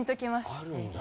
あるんだ。